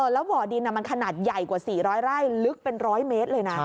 แล้วบ่อดินมันขนาดใหญ่กว่า๔๐๐ไร่ลึกเป็น๑๐๐เมตรเลยนะ